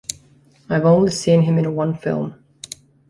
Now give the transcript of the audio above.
I've only seen him in one film.